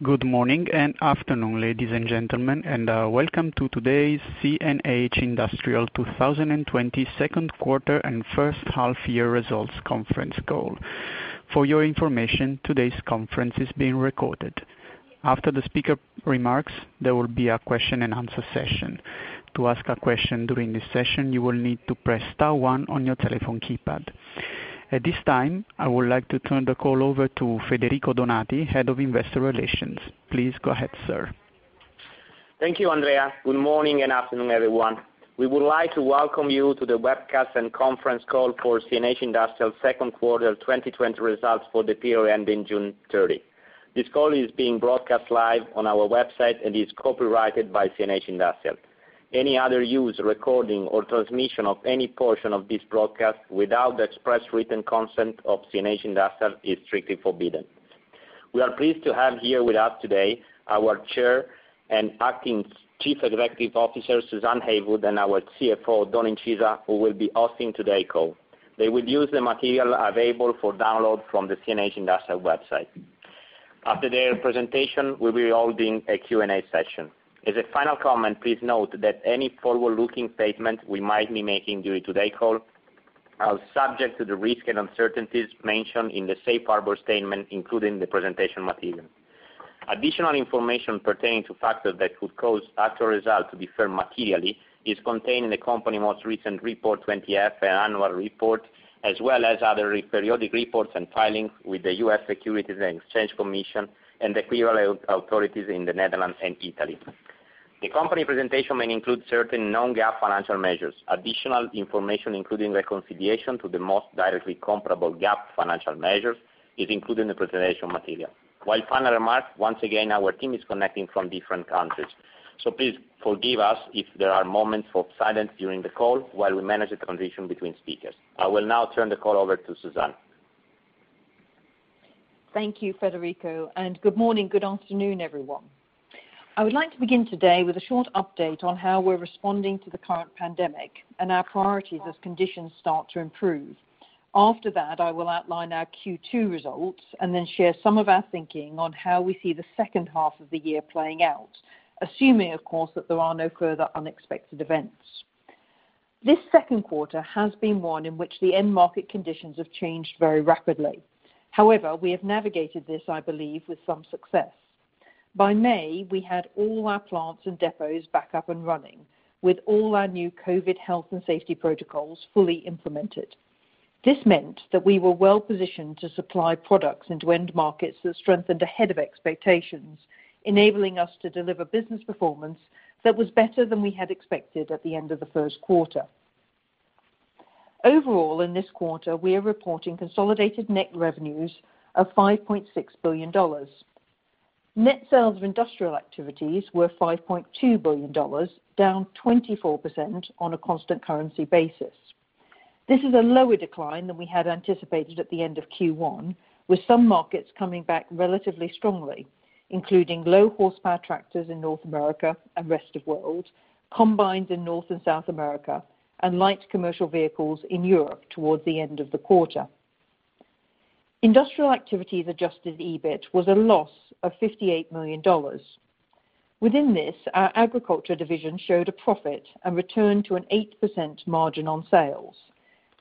Good morning and afternoon, ladies and gentlemen, welcome to today's CNH Industrial 2020 Second Quarter and First Half Year Results Conference Call. For your information, today's conference is being recorded. After the speaker remarks, there will be a question and answer session. To ask a question during this session, you will need to press star one on your telephone keypad. At this time, I would like to turn the call over to Federico Donati, Head of Investor Relations. Please go ahead, sir. Thank you, Andrea. Good morning and afternoon, everyone. We would like to welcome you to the webcast and conference call for CNH Industrial second quarter 2020 results for the period ending June 30. This call is being broadcast live on our website and is copyrighted by CNH Industrial. Any other use, recording, or transmission of any portion of this broadcast without the express written consent of CNH Industrial is strictly forbidden. We are pleased to have here with us today our Chair and acting Chief Executive Officer, Suzanne Heywood, and our CFO, Oddone Incisa, who will be hosting today's call. They will use the material available for download from the CNH Industrial website. After their presentation, we'll be holding a Q&A session. As a final comment, please note that any forward-looking statements we might be making during today's call are subject to the risks and uncertainties mentioned in the safe harbor statement, including the presentation material. Additional information pertaining to factors that could cause actual results to differ materially is contained in the company's most recent Form 20-F annual report, as well as other periodic reports and filings with the U.S. Securities and Exchange Commission and the equivalent authorities in the Netherlands and Italy. The company presentation may include certain non-GAAP financial measures. Additional information, including reconciliation to the most directly comparable GAAP financial measures, is included in the presentation material. One final remark, once again, our team is connecting from different countries, so please forgive us if there are moments of silence during the call while we manage the transition between speakers. I will now turn the call over to Suzanne. Thank you, Federico, and good morning, good afternoon, everyone. I would like to begin today with a short update on how we're responding to the current pandemic and our priorities as conditions start to improve. After that, I will outline our Q2 results and then share some of our thinking on how we see the second half of the year playing out, assuming, of course, that there are no further unexpected events. This second quarter has been one in which the end market conditions have changed very rapidly. However, we have navigated this, I believe, with some success. By May, we had all our plants and depots back up and running with all our new COVID health and safety protocols fully implemented. This meant that we were well positioned to supply products into end markets that strengthened ahead of expectations, enabling us to deliver business performance that was better than we had expected at the end of the first quarter. Overall, in this quarter, we are reporting consolidated net revenues of $5.6 billion. Net sales of industrial activities were $5.2 billion, down 24% on a constant currency basis. This is a lower decline than we had anticipated at the end of Q1, with some markets coming back relatively strongly, including low horsepower tractors in North America and rest of world, combines in North and South America, and light Commercial Vehicles in Europe towards the end of the quarter. Industrial activities adjusted EBIT was a loss of $58 million. Within this, our Agriculture division showed a profit and returned to an 8% margin on sales,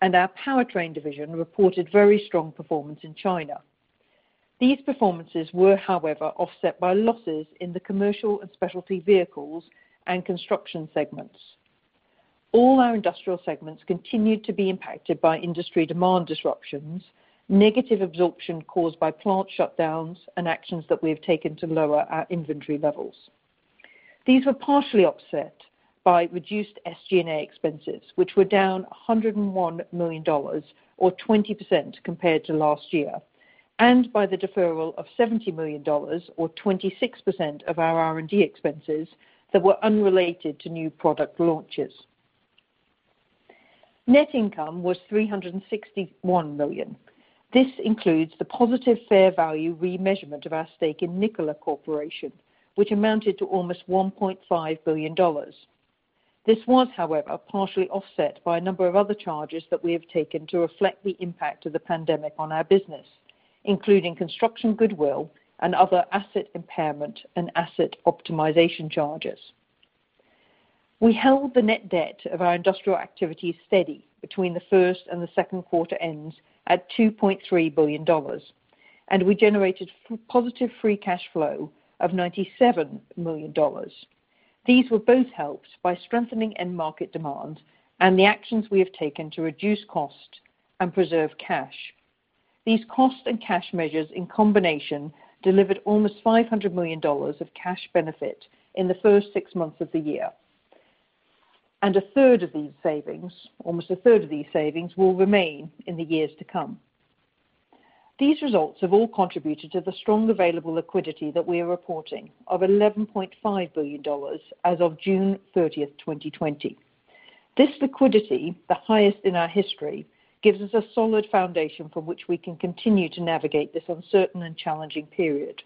and our Powertrain division reported very strong performance in China. These performances were, however, offset by losses in the Commercial and Specialty Vehicles and Construction segments. All our industrial segments continued to be impacted by industry demand disruptions, negative absorption caused by plant shutdowns, and actions that we have taken to lower our inventory levels. These were partially offset by reduced SG&A expenses, which were down $101 million, or 20% compared to last year, and by the deferral of $70 million, or 26%, of our R&D expenses that were unrelated to new product launches. Net income was $361 million. This includes the positive fair value remeasurement of our stake in Nikola Corporation, which amounted to almost $1.5 billion. This was, however, partially offset by a number of other charges that we have taken to reflect the impact of the pandemic on our business, including construction goodwill and other asset impairment and asset optimization charges. We held the net debt of our industrial activities steady between the first and the second quarter ends at $2.3 billion. We generated positive free cash flow of $97 million. These were both helped by strengthening end market demand and the actions we have taken to reduce cost and preserve cash. These cost and cash measures in combination delivered almost $500 million of cash benefit in the first six months of the year. A 1/3 of these savings, almost a 1/3 of these savings will remain in the years to come. These results have all contributed to the strong available liquidity that we are reporting of $11.5 billion as of June 30th, 2020. This liquidity, the highest in our history, gives us a solid foundation from which we can continue to navigate this uncertain and challenging period.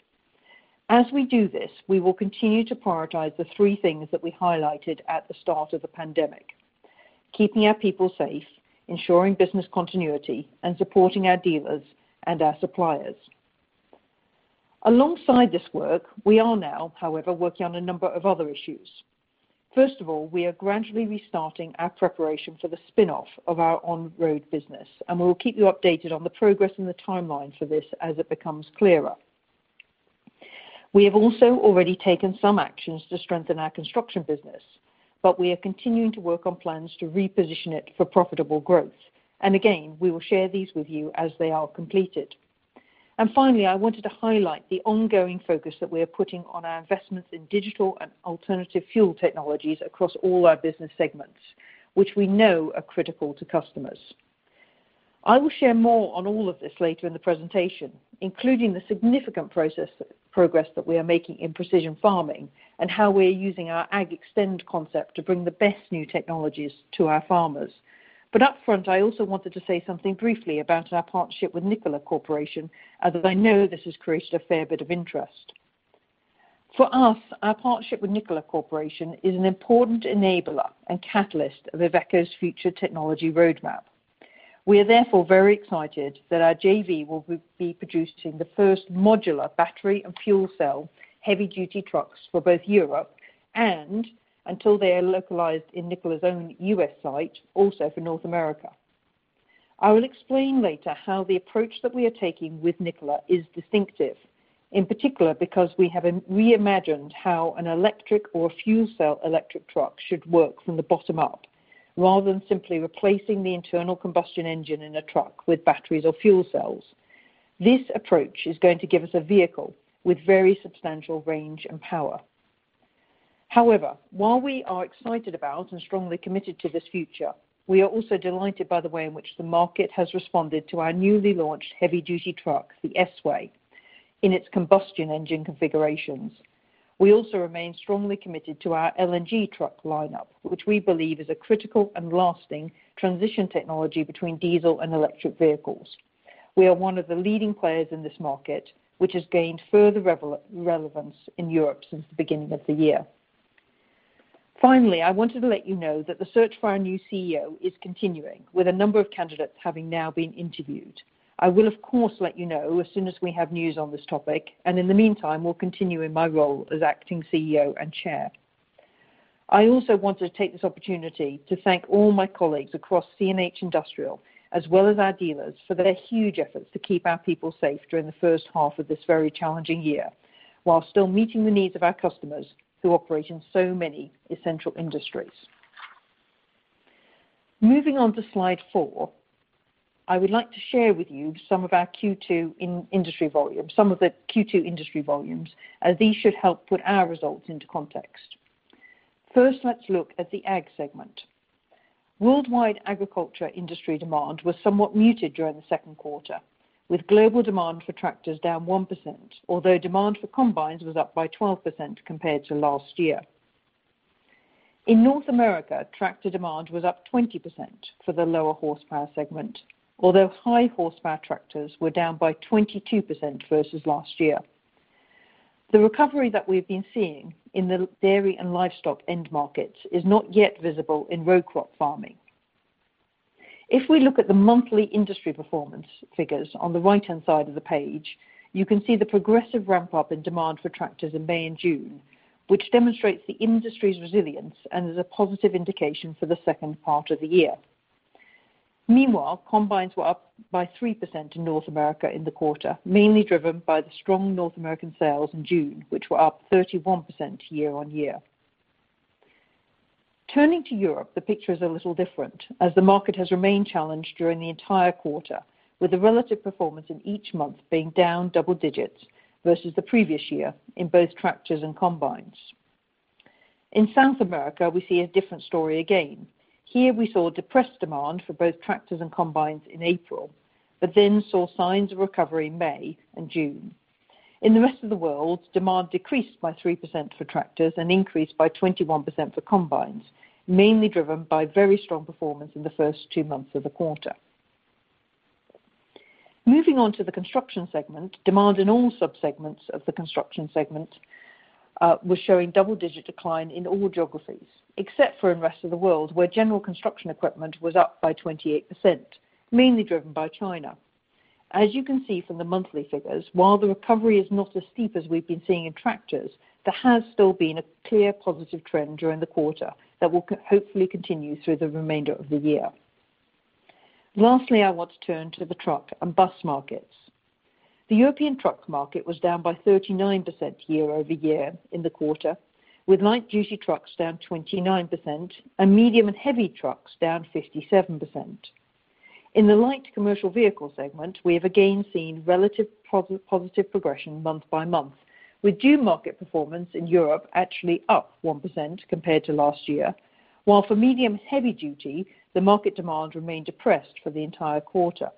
As we do this, we will continue to prioritize the three things that we highlighted at the start of the pandemic: keeping our people safe, ensuring business continuity, and supporting our dealers and our suppliers. Alongside this work, we are now, however, working on a number of other issues. First of all, we are gradually restarting our preparation for the spin-off of our on-road business, and we will keep you updated on the progress and the timeline for this as it becomes clearer. We have also already taken some actions to strengthen our Construction business, but we are continuing to work on plans to reposition it for profitable growth. Again, we will share these with you as they are completed. Finally, I wanted to highlight the ongoing focus that we are putting on our investments in digital and alternative fuel technologies across all our business segments, which we know are critical to customers. I will share more on all of this later in the presentation, including the significant progress that we are making in precision farming and how we are using our AGXTEND concept to bring the best new technologies to our farmers. Upfront, I also wanted to say something briefly about our partnership with Nikola Corporation, as I know this has created a fair bit of interest. For us, our partnership with Nikola Corporation is an important enabler and catalyst of Iveco's future technology roadmap. We are therefore very excited that our JV will be producing the first modular battery and fuel cell heavy duty trucks for both Europe and, until they are localized in Nikola's own U.S. site, also for North America. I will explain later how the approach that we are taking with Nikola is distinctive, in particular because we have reimagined how an electric or fuel cell electric truck should work from the bottom up, rather than simply replacing the internal combustion engine in a truck with batteries or fuel cells. This approach is going to give us a vehicle with very substantial range and power. While we are excited about and strongly committed to this future, we are also delighted by the way in which the market has responded to our newly launched heavy duty truck, the S-Way, in its combustion engine configurations. We also remain strongly committed to our LNG truck lineup, which we believe is a critical and lasting transition technology between diesel and electric vehicles. We are one of the leading players in this market, which has gained further relevance in Europe since the beginning of the year. I wanted to let you know that the search for our new CEO is continuing, with a number of candidates having now been interviewed. I will, of course, let you know as soon as we have news on this topic, and in the meantime, will continue in my role as acting CEO and Chair. I also wanted to take this opportunity to thank all my colleagues across CNH Industrial, as well as our dealers, for their huge efforts to keep our people safe during the first half of this very challenging year, while still meeting the needs of our customers who operate in so many essential industries. Moving on to slide four, I would like to share with you some of our Q2 industry volumes, as these should help put our results into context. Let's look at the Ag segment. Worldwide agriculture industry demand was somewhat muted during the second quarter, with global demand for tractors down 1%, although demand for combines was up by 12% compared to last year. In North America, tractor demand was up 20% for the lower horsepower segment, although high horsepower tractors were down by 22% versus last year. The recovery that we've been seeing in the dairy and livestock end markets is not yet visible in row-crop farming. If we look at the monthly industry performance figures on the right-hand side of the page, you can see the progressive ramp-up in demand for tractors in May and June, which demonstrates the industry's resilience and is a positive indication for the second part of the year. Meanwhile, combines were up by 3% in North America in the quarter, mainly driven by the strong North American sales in June, which were up 31% year-on-year. Turning to Europe, the picture is a little different as the market has remained challenged during the entire quarter, with the relative performance in each month being down double digits versus the previous year in both tractors and combines. In South America, we see a different story again. Here, we saw depressed demand for both tractors and combines in April, but then saw signs of recovery in May and June. In the rest of the world, demand decreased by 3% for tractors and increased by 21% for combines, mainly driven by very strong performance in the first two months of the quarter. Moving on to the Construction segment, demand in all subsegments of the Construction segment was showing double-digit decline in all geographies, except for in rest of the world, where general construction equipment was up by 28%, mainly driven by China. As you can see from the monthly figures, while the recovery is not as steep as we've been seeing in tractors, there has still been a clear positive trend during the quarter that will hopefully continue through the remainder of the year. Lastly, I want to turn to the truck and bus markets. The European truck market was down by 39% year-over-year in the quarter, with light duty trucks down 29% and medium and heavy trucks down 57%. In the light Commercial Vehicle segment, we have again seen relative positive progression month by month, with June market performance in Europe actually up 1% compared to last year, while for medium heavy duty, the market demand remained depressed for the entire quarter.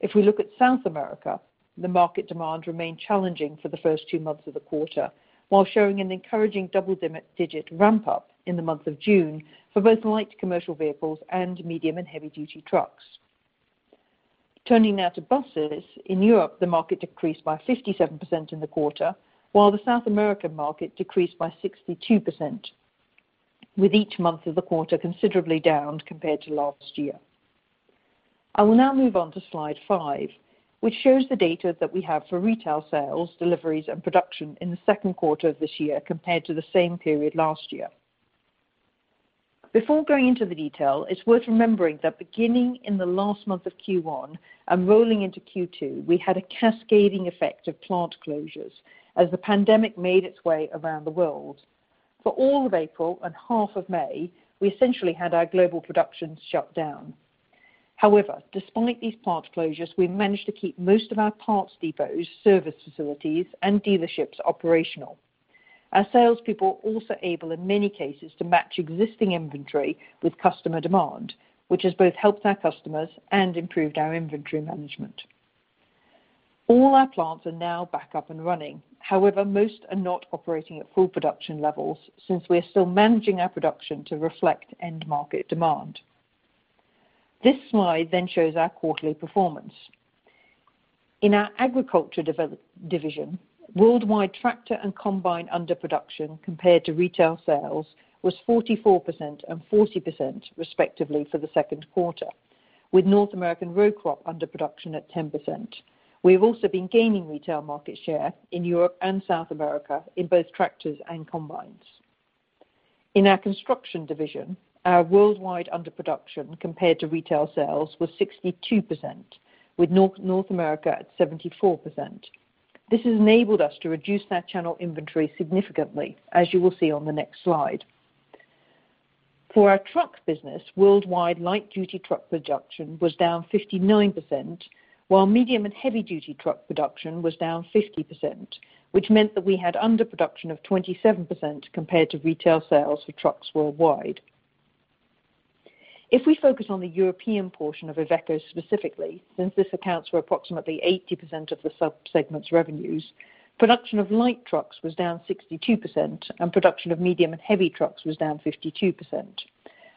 If we look at South America, the market demand remained challenging for the first two months of the quarter, while showing an encouraging double-digit ramp-up in the month of June for both light Commercial Vehicles and medium and heavy duty trucks. Turning now to buses. In Europe, the market decreased by 57% in the quarter, while the South American market decreased by 62%, with each month of the quarter considerably down compared to last year. I will now move on to slide five, which shows the data that we have for retail sales, deliveries, and production in the second quarter of this year compared to the same period last year. Before going into the detail, it's worth remembering that beginning in the last month of Q1 and rolling into Q2, we had a cascading effect of plant closures as the pandemic made its way around the world. For all of April and half of May, we essentially had our global production shut down. However, despite these plant closures, we managed to keep most of our parts depots, service facilities, and dealerships operational. Our salespeople were also able, in many cases, to match existing inventory with customer demand, which has both helped our customers and improved our inventory management. All our plants are now back up and running. However, most are not operating at full production levels since we are still managing our production to reflect end market demand. This slide shows our quarterly performance. In our Agriculture division, worldwide tractor and combine underproduction compared to retail sales was 44% and 40% respectively for the second quarter, with North American row crop underproduction at 10%. We have also been gaining retail market share in Europe and South America in both tractors and combines. In our Construction division, our worldwide underproduction compared to retail sales was 62%, with North America at 74%. This has enabled us to reduce that channel inventory significantly, as you will see on the next slide. For our truck business, worldwide light duty truck production was down 59%, while medium and heavy duty truck production was down 50%, which meant that we had underproduction of 27% compared to retail sales for trucks worldwide. If we focus on the European portion of Iveco specifically, since this accounts for approximately 80% of the sub-segment's revenues, production of light trucks was down 62%, and production of medium and heavy trucks was down 52%.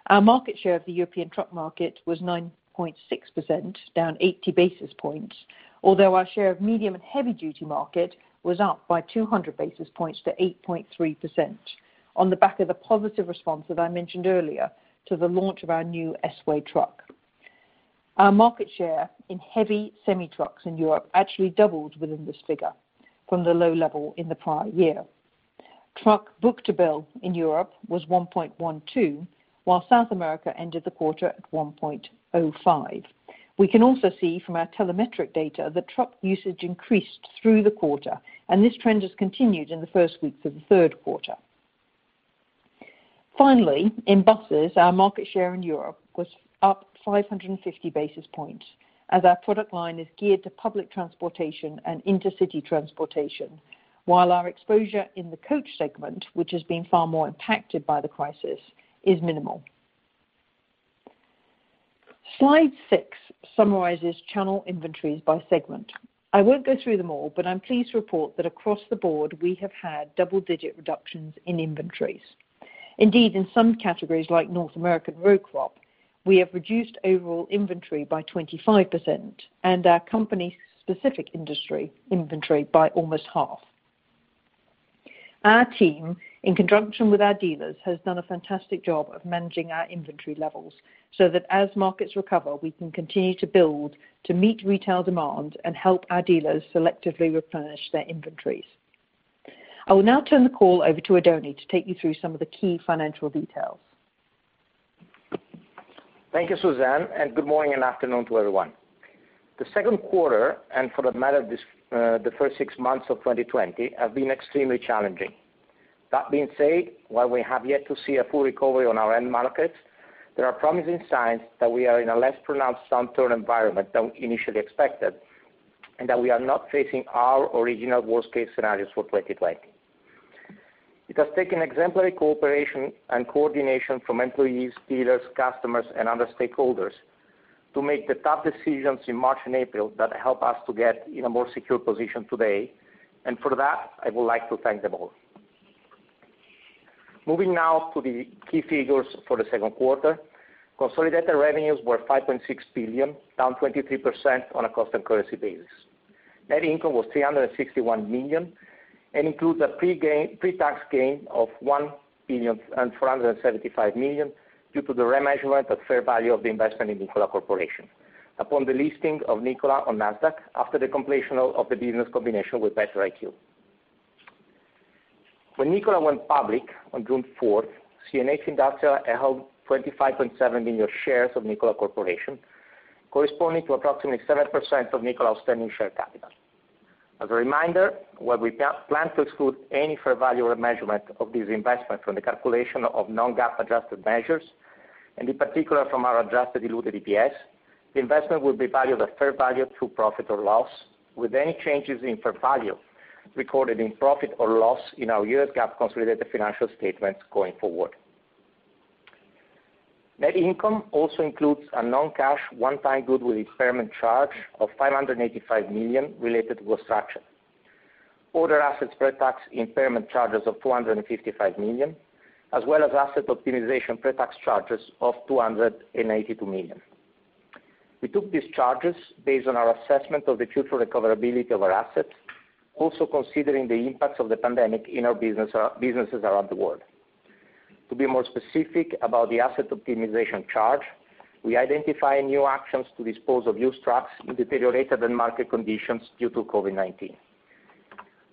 Our market share of the European truck market was 9.6%, down 80 basis points, although our share of medium and heavy duty market was up by 200 basis points to 8.3% on the back of the positive response that I mentioned earlier to the launch of our new S-Way truck. Our market share in heavy semi-trucks in Europe actually doubled within this figure from the low level in the prior year. Truck book-to-bill in Europe was 1.12, while South America ended the quarter at 1.05. We can also see from our telemetric data that truck usage increased through the quarter, and this trend has continued in the first weeks of the third quarter. Finally, in buses, our market share in Europe was up 550 basis points as our product line is geared to public transportation and intercity transportation, while our exposure in the coach segment, which has been far more impacted by the crisis, is minimal. Slide six summarizes channel inventories by segment. I won't go through them all, but I'm pleased to report that across the board, we have had double-digit reductions in inventories. Indeed, in some categories like North American row crop, we have reduced overall inventory by 25% and our company-specific industry inventory by almost half. Our team, in conjunction with our dealers, has done a fantastic job of managing our inventory levels so that as markets recover, we can continue to build to meet retail demand and help our dealers selectively replenish their inventories. I will now turn the call over to Oddone to take you through some of the key financial details. Thank you, Suzanne, and good morning and afternoon to everyone. The second quarter and for that matter the first six months of 2020 have been extremely challenging. That being said, while we have yet to see a full recovery on our end markets, there are promising signs that we are in a less pronounced downturn environment than initially expected and that we are not facing our original worst case scenarios for 2020. It has taken exemplary cooperation and coordination from employees, dealers, customers, and other stakeholders to make the tough decisions in March and April that help us to get in a more secure position today, and for that, I would like to thank them all. Moving now to the key figures for the second quarter. Consolidated revenues were $5.6 billion, down 23% on a constant currency basis. Net income was $361 million and includes a pre-tax gain of $1.475 billion due to the remeasurement at fair value of the investment in Nikola Corporation upon the listing of Nikola on Nasdaq after the completion of the business combination with VectoIQ. When Nikola went public on June 4th, CNH Industrial held 25.7 million shares of Nikola Corporation, corresponding to approximately 7% of Nikola outstanding share capital. As a reminder, while we plan to exclude any fair value remeasurement of this investment from the calculation of non-GAAP adjusted measures, and in particular from our adjusted diluted EPS, the investment will be valued at fair value through profit or loss, with any changes in fair value recorded in profit or loss in our U.S. GAAP consolidated financial statements going forward. Net income also includes a non-cash one-time goodwill impairment charge of $585 million related to Construction, other assets pretax impairment charges of $255 million, as well as asset optimization pretax charges of $282 million. We took these charges based on our assessment of the future recoverability of our assets, also considering the impacts of the pandemic in our businesses around the world. To be more specific about the asset optimization charge, we identified new actions to dispose of used trucks in deteriorated end-market conditions due to COVID-19.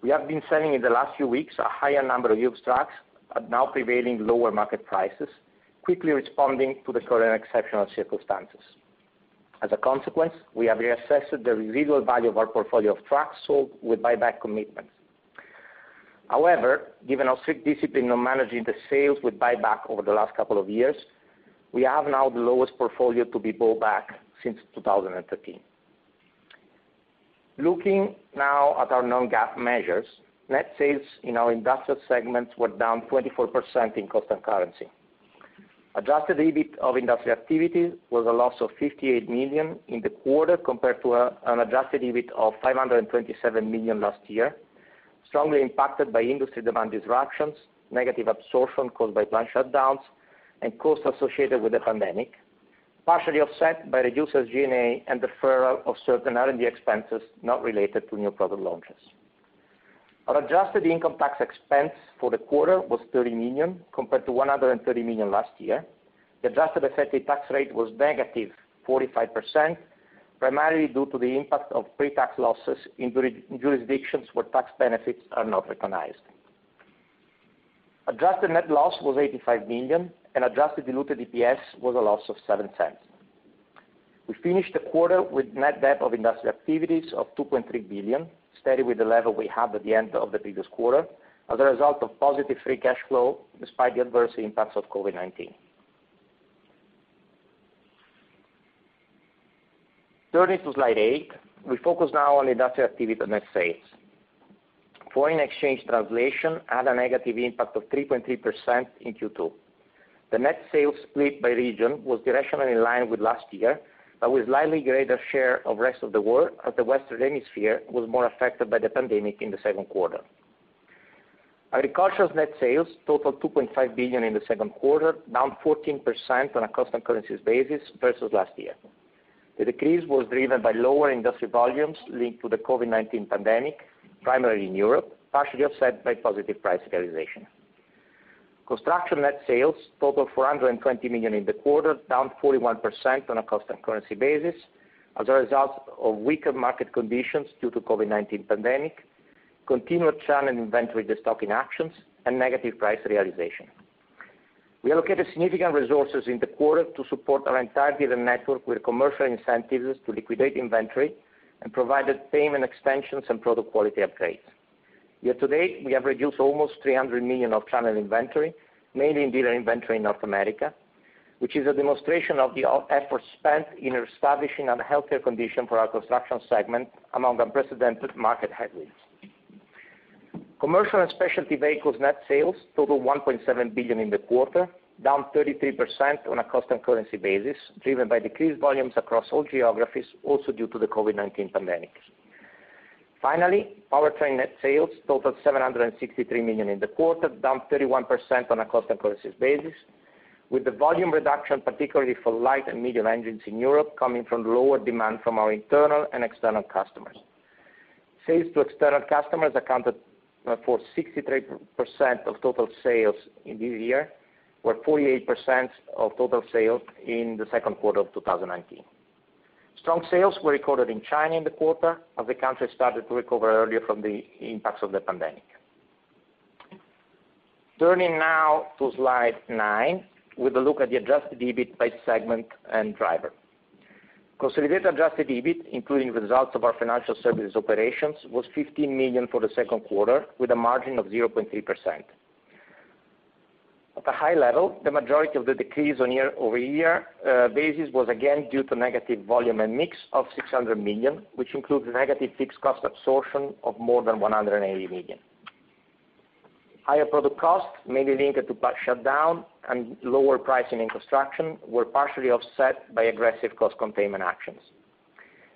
We have been selling in the last few weeks a higher number of used trucks at now prevailing lower market prices, quickly responding to the current exceptional circumstances. As a consequence, we have reassessed the residual value of our portfolio of trucks sold with buyback commitment. Given our strict discipline on managing the sales with buyback over the last couple of years, we have now the lowest portfolio to be bought back since 2013. Looking now at our non-GAAP measures, net sales in our industrial segments were down 24% in constant currency. Adjusted EBIT of industry activities was a loss of $58 million in the quarter compared to an adjusted EBIT of $527 million last year, strongly impacted by industry demand disruptions, negative absorption caused by plant shutdowns, and costs associated with the pandemic, partially offset by reduced G&A and deferral of certain R&D expenses not related to new product launches. Our adjusted income tax expense for the quarter was $30 million, compared to $130 million last year. The adjusted effective tax rate was -45%, primarily due to the impact of pretax losses in jurisdictions where tax benefits are not recognized. Adjusted net loss was $85 million, adjusted diluted EPS was a loss of $0.07. We finished the quarter with net debt of industrial activities of $2.3 billion, steady with the level we had at the end of the previous quarter as a result of positive free cash flow despite the adverse impacts of COVID-19. Turning to slide eight, we focus now on industrial activity net sales. Foreign exchange translation had a negative impact of 3.3% in Q2. The net sales split by region was directionally in line with last year, but with slightly greater share of rest of the world as the Western Hemisphere was more affected by the pandemic in the second quarter. Agriculture's net sales totaled $2.5 billion in the second quarter, down 14% on a constant currencies basis versus last year. The decrease was driven by lower industry volumes linked to the COVID-19 pandemic, primarily in Europe, partially offset by positive price realization. Construction net sales totaled $420 million in the quarter, down 41% on a constant currency basis as a result of weaker market conditions due to COVID-19 pandemic, continued channel inventory destocking actions, and negative price realization. We allocated significant resources in the quarter to support our entire dealer network with commercial incentives to liquidate inventory and provided payment extensions and product quality upgrades. Year to date, we have reduced almost $300 million of channel inventory, mainly in dealer inventory in North America, which is a demonstration of the efforts spent in establishing a healthier condition for our Construction segment among unprecedented market headwinds. Commercial and Specialty Vehicles net sales totaled $1.7 billion in the quarter, down 33% on a constant currency basis, driven by decreased volumes across all geographies also due to the COVID-19 pandemic. Powertrain net sales totaled $763 million in the quarter, down 31% on a constant currency basis, with the volume reduction particularly for light and medium engines in Europe coming from lower demand from our internal and external customers. Sales to external customers accounted for 63% of total sales in this year, where 48% of total sales in the second quarter of 2019. Strong sales were recorded in China in the quarter as the country started to recover earlier from the impacts of the pandemic. Turning now to slide nine with a look at the adjusted EBIT by segment and driver. Consolidated adjusted EBIT, including results of our financial services operations, was $15 million for the second quarter, with a margin of 0.3%. At the high level, the majority of the decrease on a year-over-year basis was again due to negative volume and mix of $600 million, which includes negative fixed cost absorption of more than $180 million. Higher product costs, mainly linked to plant shutdown and lower pricing in Construction, were partially offset by aggressive cost containment actions.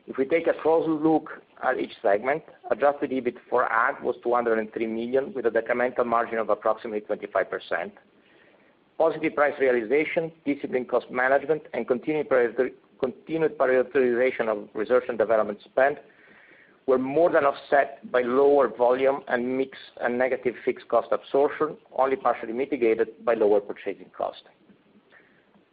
If we take a closer look at each segment, adjusted EBIT for Ag was $203 million, with a incremental margin of approximately 25%. Positive price realization, disciplined cost management, and continued prioritization of research and development spend were more than offset by lower volume and mix and negative fixed cost absorption, only partially mitigated by lower purchasing cost.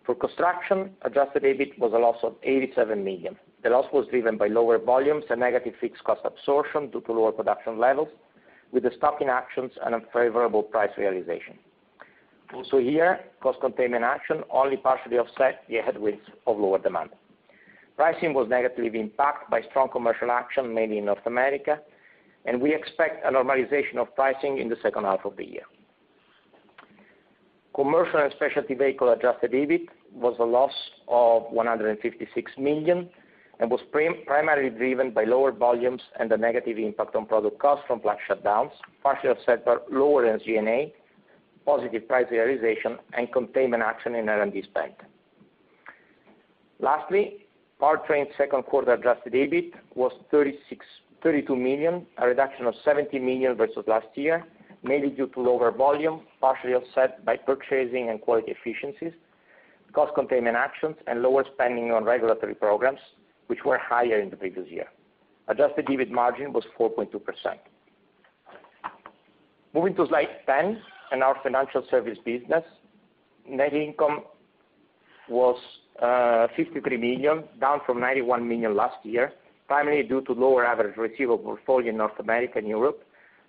For Construction, adjusted EBIT was a loss of $87 million. The loss was driven by lower volumes and negative fixed cost absorption due to lower production levels with destocking actions and unfavorable price realization. Also here, cost containment action only partially offset the headwinds of lower demand. Pricing was negatively impacted by strong commercial action, mainly in North America, and we expect a normalization of pricing in the second half of the year. Commercial and Specialty Vehicles adjusted EBIT was a loss of $156 million and was primarily driven by lower volumes and the negative impact on product costs from plant shutdowns, partially offset by lower SG&A, positive price realization, and containment action in R&D spend. Lastly, Powertrain's second quarter adjusted EBIT was $32 million, a reduction of $17 million versus last year, mainly due to lower volume, partially offset by purchasing and quality efficiencies, cost containment actions, and lower spending on regulatory programs which were higher in the previous year. Adjusted EBIT margin was 4.2%. Moving to slide 10 and our financial service business. Net income was $53 million, down from $91 million last year, primarily due to lower average receivable portfolio in North America and Europe,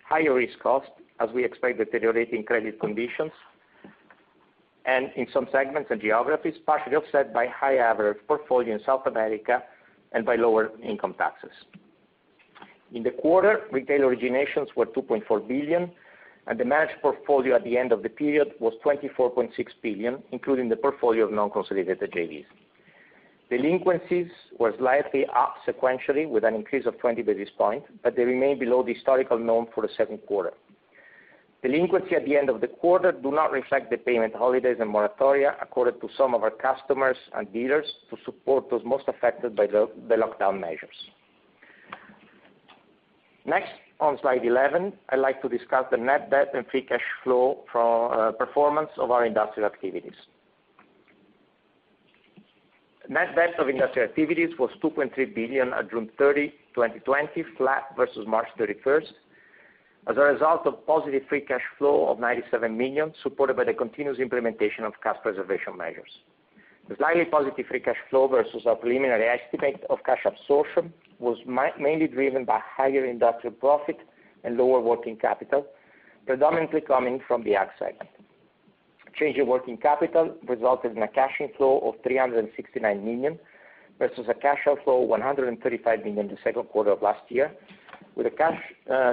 higher risk cost as we expect deteriorating credit conditions, and in some segments and geographies, partially offset by high average portfolio in South America and by lower income taxes. In the quarter, retail originations were $2.4 billion, and the managed portfolio at the end of the period was $24.6 billion, including the portfolio of non-consolidated JVs. Delinquencies were slightly up sequentially with an increase of 20 basis points, but they remain below the historical norm for the second quarter. Delinquency at the end of the quarter do not reflect the payment holidays and moratoria accorded to some of our customers and dealers to support those most affected by the lockdown measures. On slide 11, I'd like to discuss the net debt and free cash flow performance of our industrial activities. Net debt of industrial activities was $2.3 billion at June 30, 2020, flat versus March 31st, as a result of positive free cash flow of $97 million, supported by the continuous implementation of cash preservation measures. The slightly positive free cash flow versus our preliminary estimate of cash absorption was mainly driven by higher industrial profit and lower working capital, predominantly coming from the Ag segment. Change in working capital resulted in a cash inflow of $369 million versus a cash outflow of $135 million in the second quarter of last year, with a cash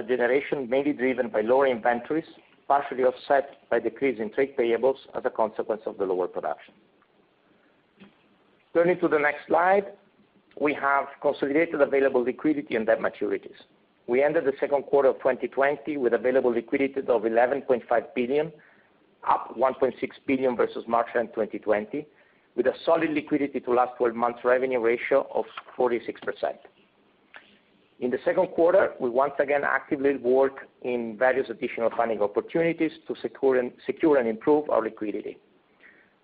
generation mainly driven by lower inventories, partially offset by decrease in trade payables as a consequence of the lower production. Turning to the next slide, we have consolidated available liquidity and debt maturities. We ended the second quarter of 2020 with available liquidity of $11.5 billion, up $1.6 billion versus March 2020, with a solid liquidity to last 12 months revenue ratio of 46%. In the second quarter, we once again actively worked in various additional funding opportunities to secure and improve our liquidity.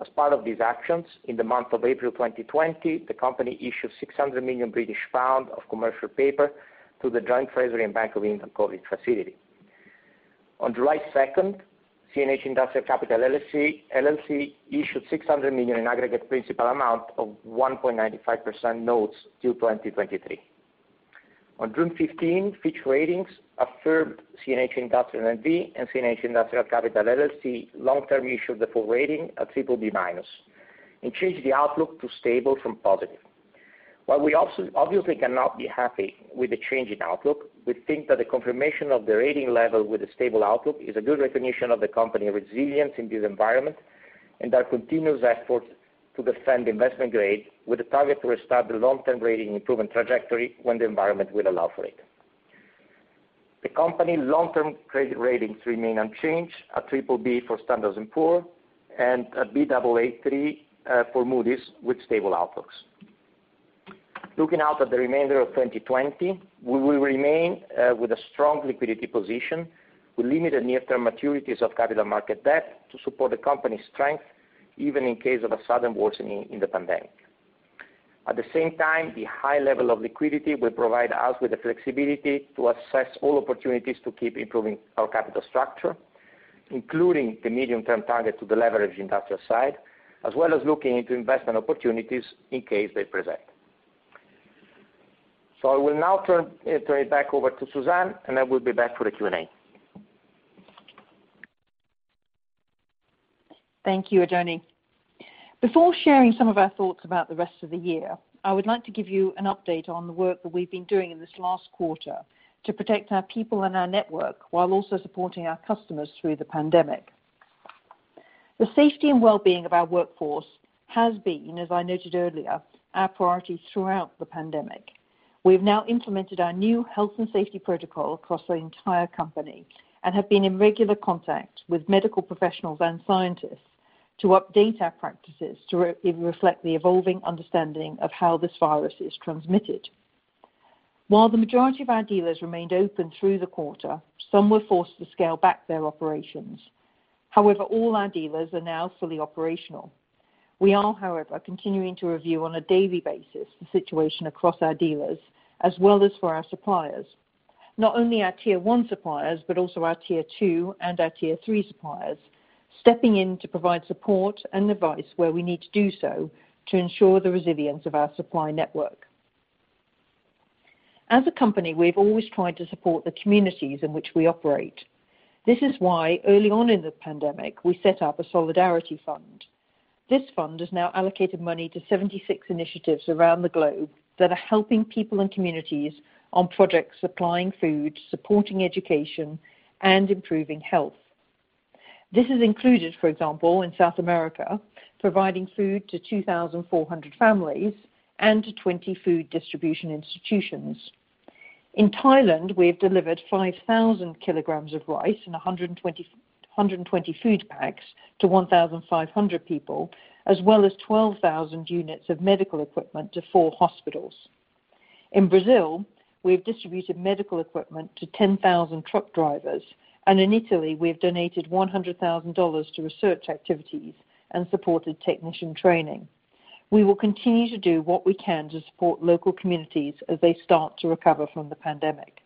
As part of these actions, in the month of April 2020, the company issued 600 million British pounds of commercial paper through the Joint Treasury and Bank of England COVID Facility. On July 2nd, CNH Industrial Capital LLC issued $600 million in aggregate principal amount of 1.95% notes due 2023. On June 15, Fitch Ratings affirmed CNH Industrial N.V. and CNH Industrial Capital LLC long-term issuer default rating at BBB- and changed the outlook to stable from positive. While we obviously cannot be happy with the change in outlook, we think that the confirmation of the rating level with a stable outlook is a good recognition of the company resilience in this environment and our continuous efforts to defend investment grade with a target to restart the long-term rating improvement trajectory when the environment will allow for it. The company long-term credit ratings remain unchanged at BBB for Standard & Poor's and at Baa3 for Moody's with stable outlooks. Looking out at the remainder of 2020, we will remain with a strong liquidity position with limited near-term maturities of capital market debt to support the company's strength, even in case of a sudden worsening in the pandemic. At the same time, the high level of liquidity will provide us with the flexibility to assess all opportunities to keep improving our capital structure, including the medium-term target to de-leverage Industrial side, as well as looking into investment opportunities in case they present. I will now turn it back over to Suzanne, and I will be back for the Q&A. Thank you, Oddone. Before sharing some of our thoughts about the rest of the year, I would like to give you an update on the work that we've been doing in this last quarter to protect our people and our network while also supporting our customers through the pandemic. The safety and wellbeing of our workforce has been, as I noted earlier, our priority throughout the pandemic. We've now implemented our new health and safety protocol across the entire company and have been in regular contact with medical professionals and scientists to update our practices to reflect the evolving understanding of how this virus is transmitted. While the majority of our dealers remained open through the quarter, some were forced to scale back their operations. However, all our dealers are now fully operational. We are, however, continuing to review on a daily basis the situation across our dealers as well as for our suppliers. Not only our tier 1 suppliers, but also our tier 2 and our tier 3 suppliers, stepping in to provide support and advice where we need to do so to ensure the resilience of our supply network. As a company, we've always tried to support the communities in which we operate. This is why early on in the pandemic, we set up a solidarity fund. This fund has now allocated money to 76 initiatives around the globe that are helping people and communities on projects supplying food, supporting education, and improving health. This has included, for example, in South America, providing food to 2,400 families and to 20 food distribution institutions. In Thailand, we have delivered 5,000 kg of rice and 120 food packs to 1,500 people, as well as 12,000 units of medical equipment to four hospitals. In Brazil, we have distributed medical equipment to 10,000 truck drivers, and in Italy, we have donated $100,000 to research activities and supported technician training. We will continue to do what we can to support local communities as they start to recover from the pandemic.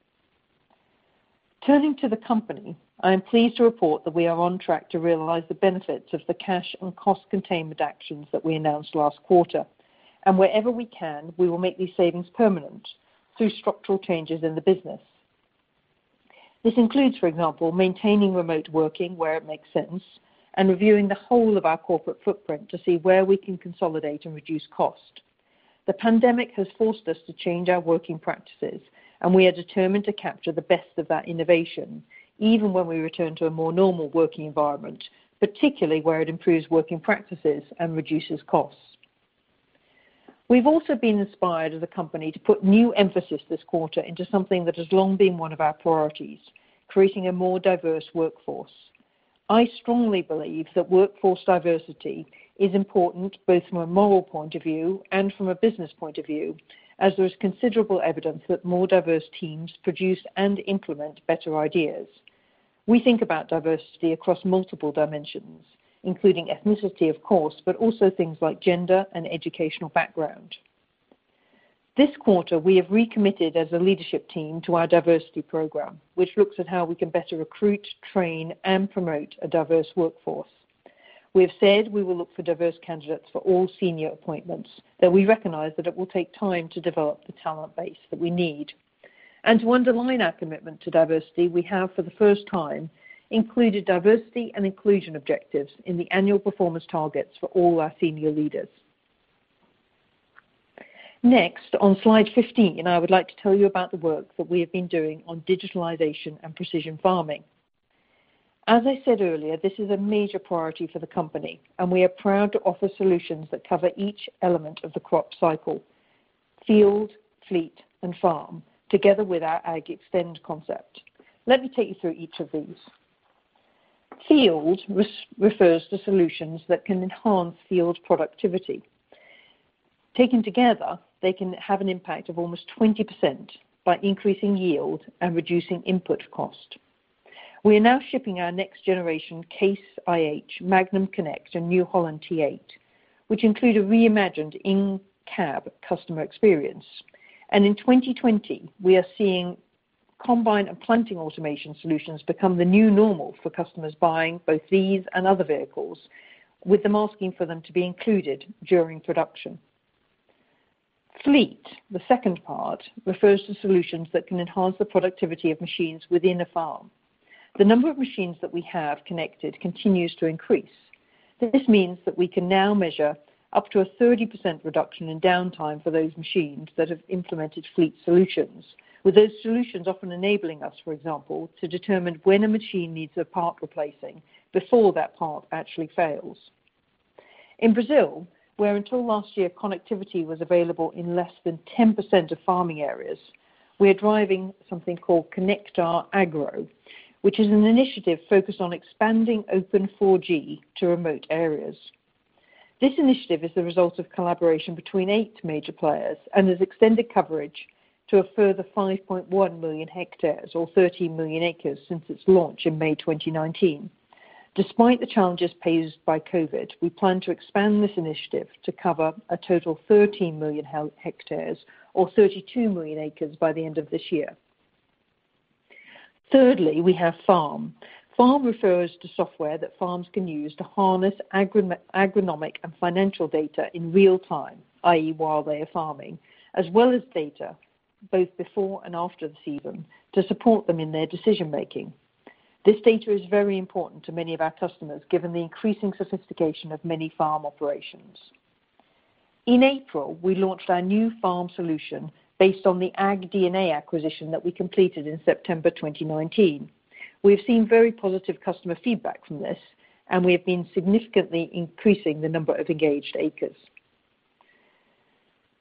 Turning to the company, I am pleased to report that we are on track to realize the benefits of the cash and cost containment actions that we announced last quarter. Wherever we can, we will make these savings permanent through structural changes in the business. This includes, for example, maintaining remote working where it makes sense and reviewing the whole of our corporate footprint to see where we can consolidate and reduce cost. The pandemic has forced us to change our working practices, and we are determined to capture the best of that innovation, even when we return to a more normal working environment, particularly where it improves working practices and reduces costs. We've also been inspired as a company to put new emphasis this quarter into something that has long been one of our priorities, creating a more diverse workforce. I strongly believe that workforce diversity is important, both from a moral point of view and from a business point of view, as there is considerable evidence that more diverse teams produce and implement better ideas. We think about diversity across multiple dimensions, including ethnicity, of course, but also things like gender and educational background. This quarter, we have recommitted as a leadership team to our diversity program, which looks at how we can better recruit, train, and promote a diverse workforce. We have said we will look for diverse candidates for all senior appointments, that we recognize that it will take time to develop the talent base that we need. To underline our commitment to diversity, we have, for the first time, included diversity and inclusion objectives in the annual performance targets for all our senior leaders. Next, on slide 15, I would like to tell you about the work that we have been doing on digitalization and precision farming. As I said earlier, this is a major priority for the company, and we are proud to offer solutions that cover each element of the crop cycle: field, fleet, and farm, together with our AGXTEND concept. Let me take you through each of these. Field refers to solutions that can enhance field productivity. Taken together, they can have an impact of almost 20% by increasing yield and reducing input cost. We are now shipping our next generation Case IH Magnum Connect and New Holland T8, which include a reimagined in-cab customer experience. In 2020, we are seeing combine and planting automation solutions become the new normal for customers buying both these and other vehicles, with them asking for them to be included during production. Fleet, the second part, refers to solutions that can enhance the productivity of machines within a farm. The number of machines that we have connected continues to increase. This means that we can now measure up to a 30% reduction in downtime for those machines that have implemented fleet solutions, with those solutions often enabling us, for example, to determine when a machine needs a part replacing before that part actually fails. In Brazil, where until last year, connectivity was available in less than 10% of farming areas, we are driving something called ConectarAGRO, which is an initiative focused on expanding open 4G to remote areas. This initiative is the result of collaboration between eight major players and has extended coverage to a further 5.1 million hectares, or 13 million acres, since its launch in May 2019. Despite the challenges posed by COVID, we plan to expand this initiative to cover a total 13 million hectares, or 32 million acres, by the end of this year. Thirdly, we have farm. Farm refers to software that farms can use to harness agronomic and financial data in real time, i.e., while they are farming, as well as data both before and after the season to support them in their decision-making. This data is very important to many of our customers, given the increasing sophistication of many farm operations. In April, we launched our new farm solution based on the AgDNA acquisition that we completed in September 2019. We have seen very positive customer feedback from this, and we have been significantly increasing the number of engaged acres.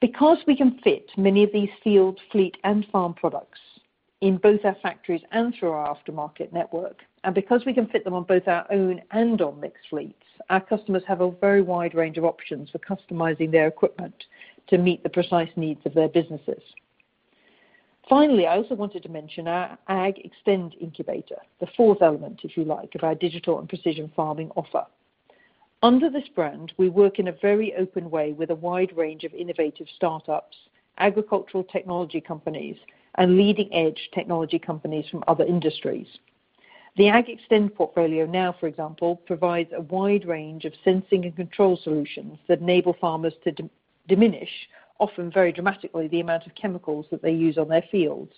Because we can fit many of these field, fleet, and farm products in both our factories and through our aftermarket network, and because we can fit them on both our own and on mixed fleets, our customers have a very wide range of options for customizing their equipment to meet the precise needs of their businesses. Finally, I also wanted to mention our AGXTEND incubator, the fourth element, if you like, of our digital and precision farming offer. Under this brand, we work in a very open way with a wide range of innovative startups, agricultural technology companies, and leading-edge technology companies from other industries. The AGXTEND portfolio now, for example, provides a wide range of sensing and control solutions that enable farmers to diminish, often very dramatically, the amount of chemicals that they use on their fields.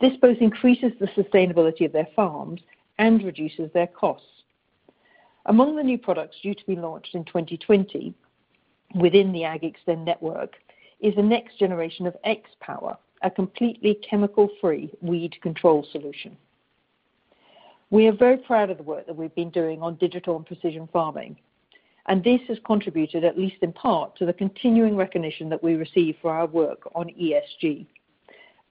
This both increases the sustainability of their farms and reduces their costs. Among the new products due to be launched in 2020 within the AGXTEND network is the next generation of XPower, a completely chemical-free weed control solution. We are very proud of the work that we've been doing on digital and precision farming, and this has contributed, at least in part, to the continuing recognition that we receive for our work on ESG.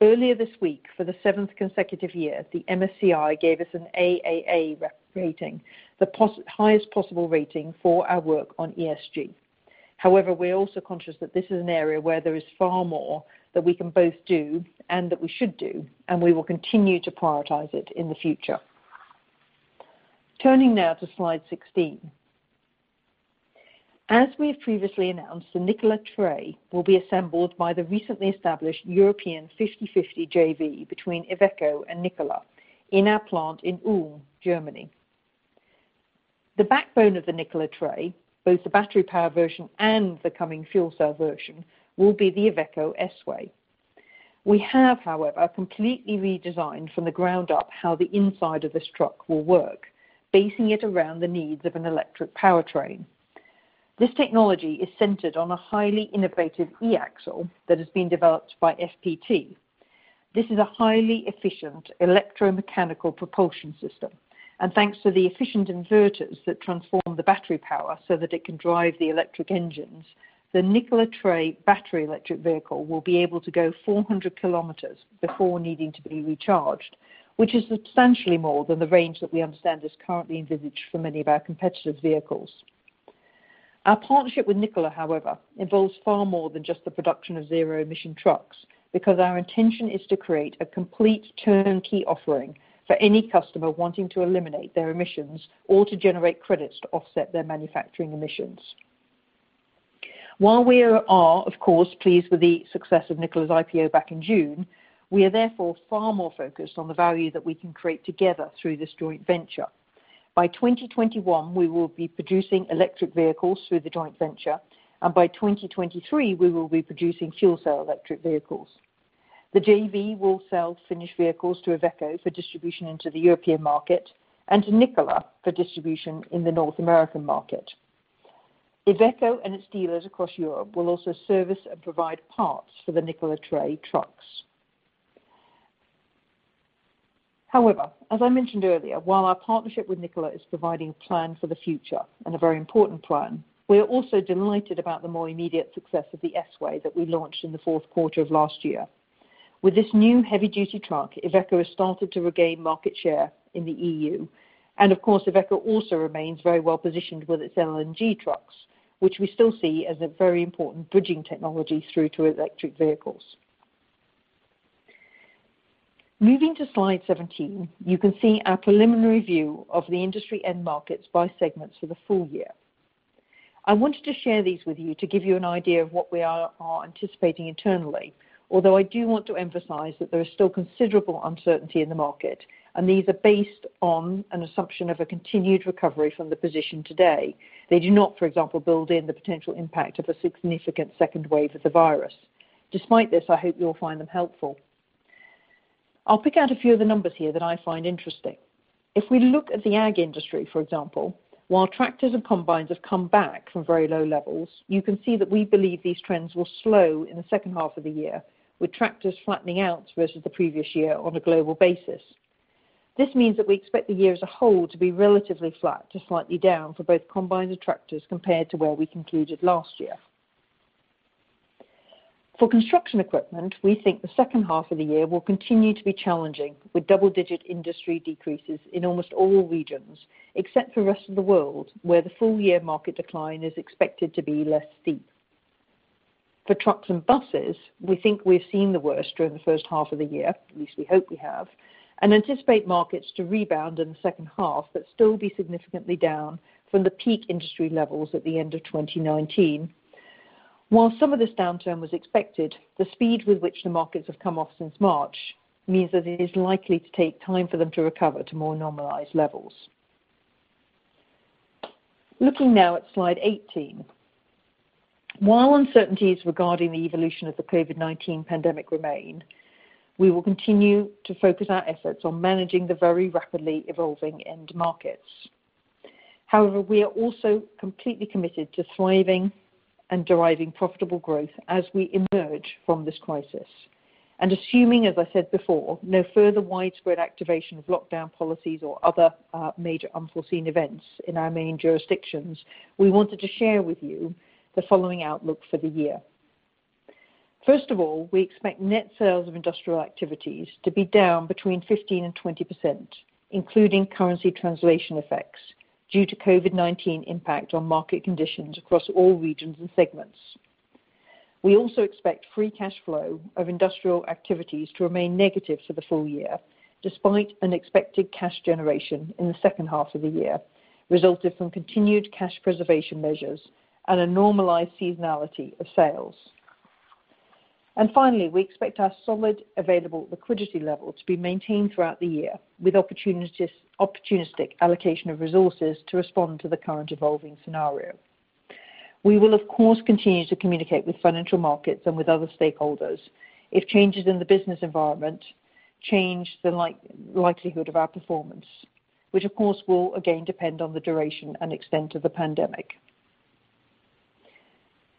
Earlier this week, for the seventh consecutive year, the MSCI gave us an AAA rating, the highest possible rating for our work on ESG. However, we are also conscious that this is an area where there is far more that we can both do and that we should do, and we will continue to prioritize it in the future. Turning now to slide 16. As we have previously announced, the Nikola Tre will be assembled by the recently established European 50/50 JV between Iveco and Nikola in our plant in Ulm, Germany. The backbone of the Nikola Tre, both the battery power version and the coming fuel cell version, will be the Iveco S-Way. We have, however, completely redesigned from the ground up how the inside of this truck will work, basing it around the needs of an electric powertrain. This technology is centered on a highly innovative e-axle that has been developed by FPT. This is a highly efficient electromechanical propulsion system. Thanks to the efficient inverters that transform the battery power so that it can drive the electric engines, the Nikola Tre battery electric vehicle will be able to go 400 km before needing to be recharged, which is substantially more than the range that we understand is currently envisaged for many of our competitors' vehicles. Our partnership with Nikola, however, involves far more than just the production of zero-emission trucks, because our intention is to create a complete turnkey offering for any customer wanting to eliminate their emissions or to generate credits to offset their manufacturing emissions. While we are, of course, pleased with the success of Nikola's IPO back in June, we are therefore far more focused on the value that we can create together through this joint venture. By 2021, we will be producing electric vehicles through the joint venture, and by 2023, we will be producing fuel cell electric vehicles. The JV will sell finished vehicles to Iveco for distribution into the European market and to Nikola for distribution in the North American market. Iveco and its dealers across Europe will also service and provide parts for the Nikola Tre trucks. However, as I mentioned earlier, while our partnership with Nikola is providing a plan for the future, and a very important plan, we are also delighted about the more immediate success of the S-Way that we launched in the fourth quarter of last year. With this new heavy duty truck, Iveco has started to regain market share in the EU. Of course, Iveco also remains very well-positioned with its LNG trucks, which we still see as a very important bridging technology through to electric vehicles. Moving to slide 17, you can see our preliminary view of the industry end markets by segments for the full year. I wanted to share these with you to give you an idea of what we are anticipating internally, although I do want to emphasize that there is still considerable uncertainty in the market, and these are based on an assumption of a continued recovery from the position today. They do not, for example, build in the potential impact of a significant second wave of the virus. Despite this, I hope you'll find them helpful. I'll pick out a few of the numbers here that I find interesting. If we look at the ag industry, for example, while tractors and combines have come back from very low levels, you can see that we believe these trends will slow in the second half of the year, with tractors flattening out versus the previous year on a global basis. This means that we expect the year as a whole to be relatively flat to slightly down for both combines and tractors compared to where we concluded last year. For Construction equipment, we think the second half of the year will continue to be challenging with double-digit industry decreases in almost all regions, except for rest of the world, where the full year market decline is expected to be less steep. For trucks and buses, we think we've seen the worst during the first half of the year, at least we hope we have, and anticipate markets to rebound in the second half, but still be significantly down from the peak industry levels at the end of 2019. While some of this downturn was expected, the speed with which the markets have come off since March means that it is likely to take time for them to recover to more normalized levels. Looking now at slide 18. While uncertainties regarding the evolution of the COVID-19 pandemic remain, we will continue to focus our efforts on managing the very rapidly evolving end markets. However, we are also completely committed to thriving and deriving profitable growth as we emerge from this crisis. Assuming, as I said before, no further widespread activation of lockdown policies or other major unforeseen events in our main jurisdictions, we wanted to share with you the following outlook for the year. First of all, we expect net sales of Industrial Activities to be down between 15% and 20%, including currency translation effects due to COVID-19 impact on market conditions across all regions and segments. We also expect free cash flow of Industrial Activities to remain negative for the full year, despite an expected cash generation in the second half of the year, resulted from continued cash preservation measures and a normalized seasonality of sales. Finally, we expect our solid available liquidity level to be maintained throughout the year with opportunistic allocation of resources to respond to the current evolving scenario. We will, of course, continue to communicate with financial markets and with other stakeholders if changes in the business environment change the likelihood of our performance, which, of course, will again depend on the duration and extent of the pandemic.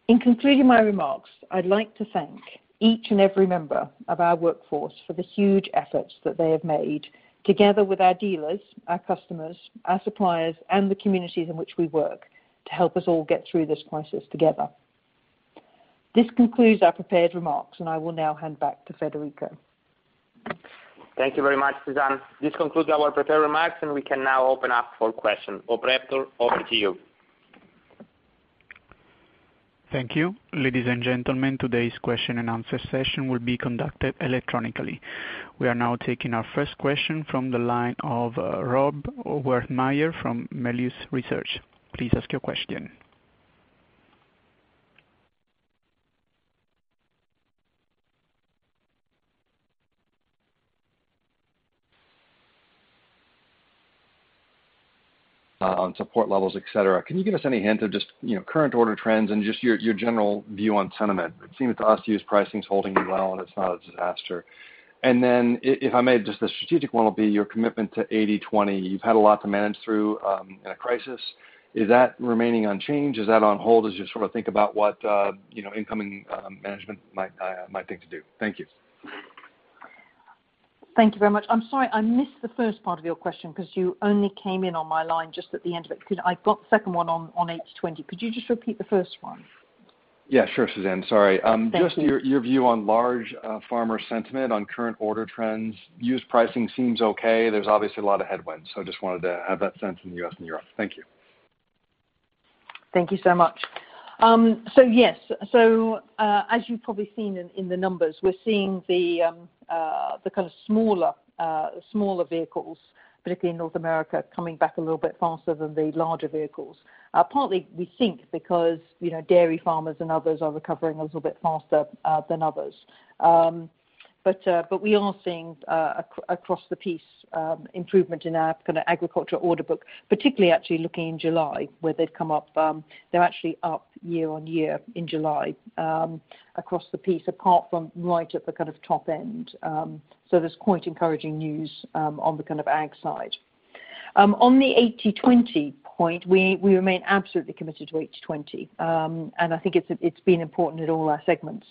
In concluding my remarks, I'd like to thank each and every member of our workforce for the huge efforts that they have made, together with our dealers, our customers, our suppliers, and the communities in which we work to help us all get through this crisis together. This concludes our prepared remarks, and I will now hand back to Federico. Thank you very much, Suzanne. This concludes our prepared remarks, and we can now open up for questions. Operator, over to you. Thank you. Ladies and gentlemen, today's question and answer session will be conducted electronically. We are now taking our first question from the line of Rob Wertheimer from Melius Research. Please ask your question. On support levels, et cetera. Can you give us any hint of just current order trends and just your general view on sentiment? It seems to us used pricing is holding well and it's not a disaster. If I may, just the strategic one will be your commitment to 80-20. You've had a lot to manage through in a crisis. Is that remaining unchanged? Is that on hold as you think about what incoming management might think to do? Thank you. Thank you very much. I'm sorry, I missed the first part of your question because you only came in on my line just at the end of it. I got the second one on 80-20. Could you just repeat the first one? Yeah, sure, Suzanne. Sorry. Thank you. Just your view on large farmer sentiment on current order trends. Used pricing seems okay. There's obviously a lot of headwinds. I just wanted to have that sense in the U.S. and Europe. Thank you. Thank you so much. Yes. As you've probably seen in the numbers, we're seeing the smaller vehicles, particularly in North America, coming back a little bit faster than the larger vehicles. Partly, we think because dairy farmers and others are recovering a little bit faster than others. We are seeing across the piece improvement in our agriculture order book, particularly actually looking in July where they've come up. They're actually up year-over-year in July across the piece, apart from right at the top end. There's quite encouraging news on the ag side. On the 80-20 point, we remain absolutely committed to 80-20. I think it's been important in all our segments.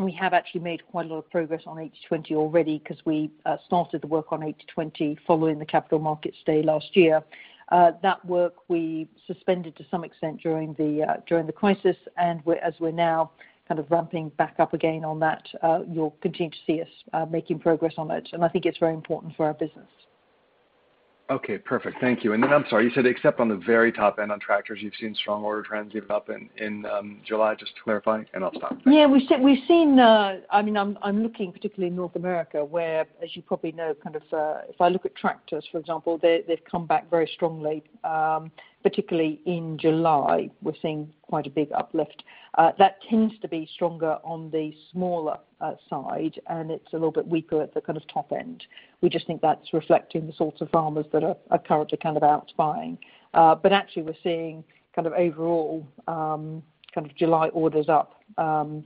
We have actually made quite a lot of progress on 80-20 already because we started the work on 80-20 following the Capital Markets Day last year. That work we suspended to some extent during the crisis, and as we're now ramping back up again on that, you'll continue to see us making progress on it. I think it's very important for our business. Okay, perfect. Thank you. I'm sorry, you said except on the very top end on tractors, you've seen strong order trends even up in July, just to clarify, and I'll stop. Thank you. Yeah, we've seen, I'm looking particularly in North America, where, as you probably know, if I look at tractors, for example, they've come back very strongly, particularly in July. We're seeing quite a big uplift. That tends to be stronger on the smaller side, and it's a little bit weaker at the top end. We just think that's reflecting the sorts of farmers that are currently out buying. Actually, we're seeing overall July orders up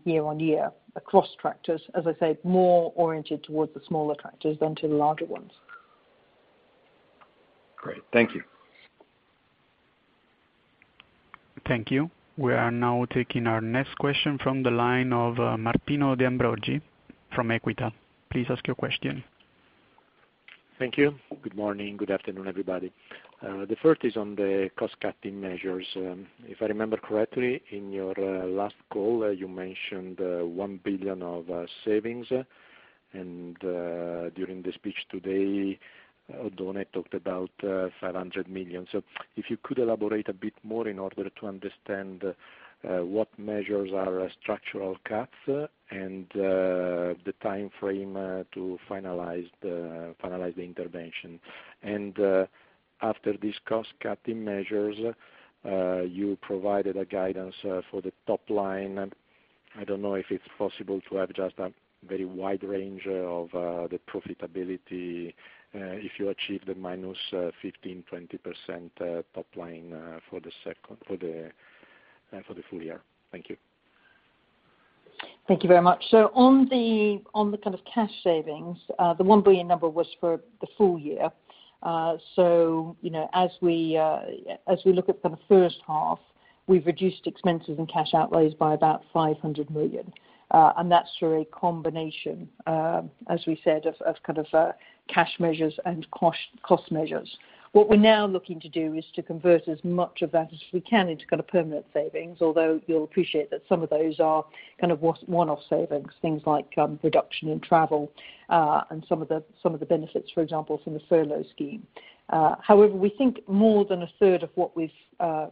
year-on-year across tractors, as I say, more oriented towards the smaller tractors than to the larger ones. Great. Thank you. Thank you. We are now taking our next question from the line of Martino De Ambroggi from Equita. Please ask your question. Thank you. Good morning. Good afternoon, everybody. The first is on the cost-cutting measures. If I remember correctly, in your last call, you mentioned $1 billion of savings. During the speech today, Oddone talked about $500 million. If you could elaborate a bit more in order to understand what measures are structural cuts and the time frame to finalize the intervention. After these cost-cutting measures, you provided a guidance for the top line. I don't know if it's possible to have just a very wide range of the profitability if you achieve the -15%,-20% top line for the full year. Thank you. Thank you very much. On the cash savings, the $1 billion number was for the full year. As we look at the first half, we've reduced expenses and cash outlays by about $500 million. That's through a combination, as we said, of cash measures and cost measures. What we're now looking to do is to convert as much of that as we can into permanent savings, although you'll appreciate that some of those are one-off savings, things like reduction in travel, and some of the benefits, for example, from the furlough scheme. However, we think more than a 1/3 of what we've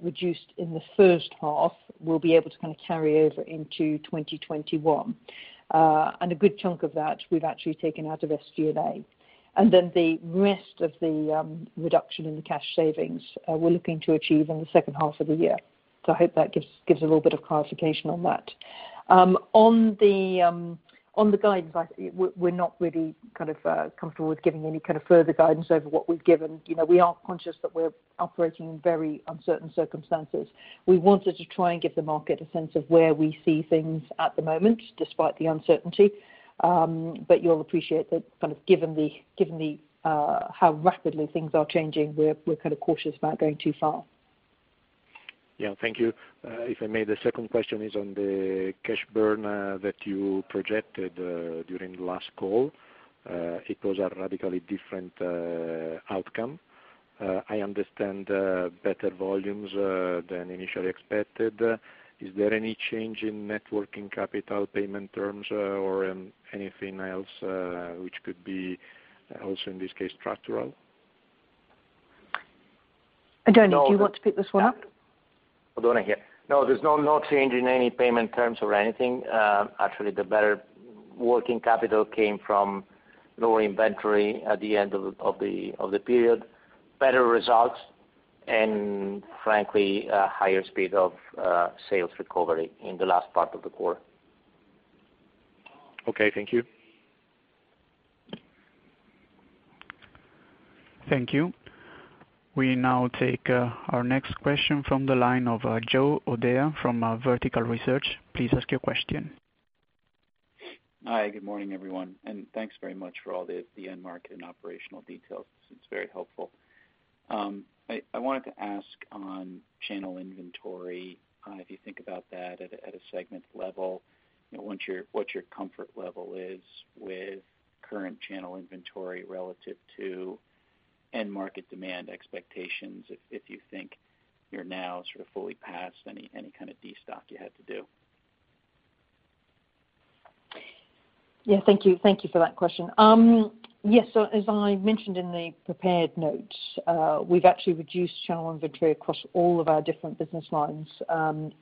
reduced in the first half, we'll be able to carry over into 2021. A good chunk of that we've actually taken out of SG&A. The rest of the reduction in the cash savings we're looking to achieve in the second half of the year. I hope that gives a little bit of clarification on that. On the guidance, we're not really comfortable with giving any further guidance over what we've given. We are conscious that we're operating in very uncertain circumstances. We wanted to try and give the market a sense of where we see things at the moment, despite the uncertainty. You'll appreciate that given how rapidly things are changing, we're cautious about going too far. Yeah. Thank you. If I may, the second question is on the cash burn that you projected during the last call. It was a radically different outcome. I understand better volumes than initially expected. Is there any change in net working capital payment terms or anything else which could be also, in this case, structural? Oddone, do you want to pick this one up? No, there is no change in any payment terms or anything. Actually, the better working capital came from lower inventory at the end of the period, better results, and frankly, a higher speed of sales recovery in the last part of the quarter. Okay. Thank you. Thank you. We now take our next question from the line of Joe O'Dea from Vertical Research. Please ask your question. Hi. Good morning, everyone, and thanks very much for all the end market and operational details. It's very helpful. I wanted to ask on channel inventory, if you think about that at a segment level, what your comfort level is with current channel inventory relative to end market demand expectations, if you think you're now sort of fully past any kind of destock you had to do. Thank you for that question. Yes. As I mentioned in the prepared notes, we've actually reduced channel inventory across all of our different business lines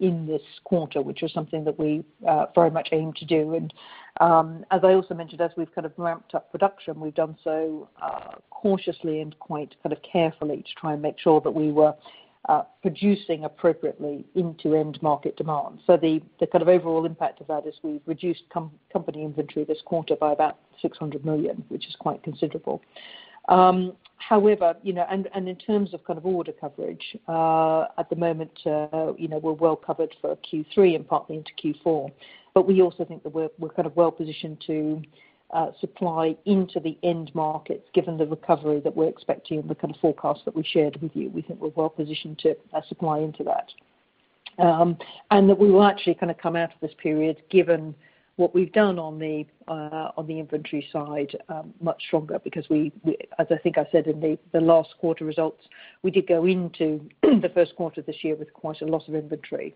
in this quarter, which was something that we very much aim to do. As I also mentioned, as we've ramped up production, we've done so cautiously and quite carefully to try and make sure that we were producing appropriately into end market demand. The overall impact of that is we've reduced company inventory this quarter by about $600 million, which is quite considerable. In terms of order coverage, at the moment, we're well covered for Q3 and partly into Q4, we also think that we're well-positioned to supply into the end markets, given the recovery that we're expecting and the kind of forecast that we shared with you. We think we're well positioned to supply into that. That we will actually come out of this period given what we've done on the inventory side much stronger because we, as I think I said in the last quarter results, we did go into the first quarter of this year with quite a lot of inventory.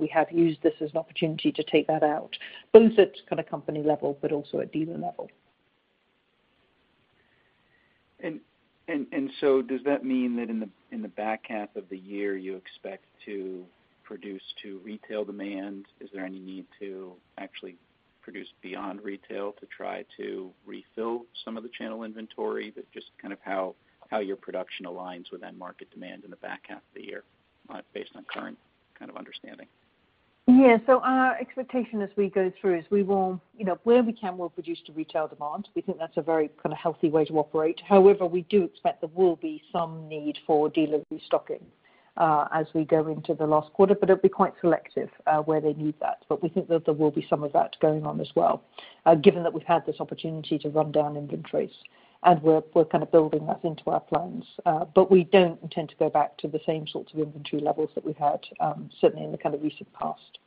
We have used this as an opportunity to take that out, both at company level, but also at dealer level. Does that mean that in the back half of the year, you expect to produce to retail demand? Is there any need to actually produce beyond retail to try to refill some of the channel inventory? Just how your production aligns with end market demand in the back half of the year based on current understanding. Yeah. Our expectation as we go through is where we can, we'll produce to retail demand. We think that's a very healthy way to operate. However, we do expect there will be some need for dealer restocking as we go into the last quarter, but it'll be quite selective where they need that. We think that there will be some of that going on as well given that we've had this opportunity to run down inventories, and we're building that into our plans. We don't intend to go back to the same sorts of inventory levels that we've had certainly in the recent past.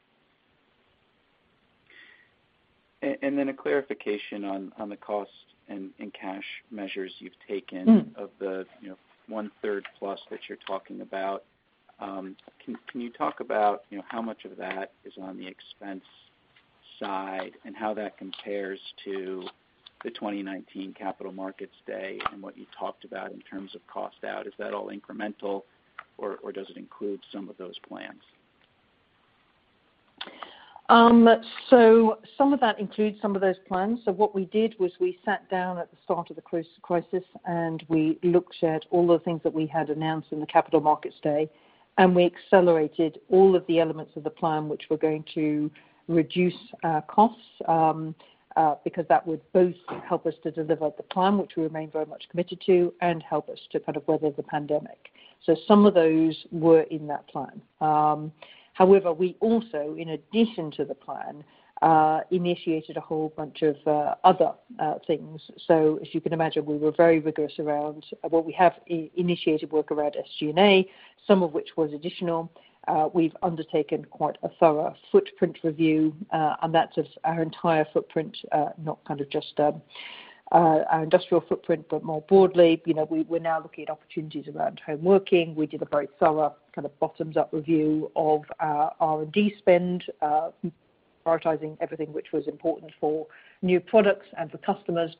Then a clarification on the cost and cash measures you've taken of the 1/3+ that you're talking about. Can you talk about how much of that is on the expense side and how that compares to the 2019 Capital Markets Day and what you talked about in terms of cost out? Is that all incremental, or does it include some of those plans? Some of that includes some of those plans. What we did was we sat down at the start of the crisis, and we looked at all the things that we had announced in the Capital Markets Day, and we accelerated all of the elements of the plan which were going to reduce our costs because that would both help us to deliver the plan, which we remain very much committed to, and help us to weather the pandemic. Some of those were in that plan. However, we also, in addition to the plan, initiated a whole bunch of other things. As you can imagine, we were very rigorous around what we have initiated work around SG&A, some of which was additional. We've undertaken quite a thorough footprint review, and that's of our entire footprint, not just our industrial footprint, but more broadly. We're now looking at opportunities around home working. We did a very thorough bottoms-up review of our R&D spend, prioritizing everything which was important for new products and for customers.